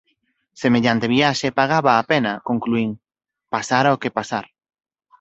Semellante viaxe pagaba a pena –concluín–, pasara o que pasar.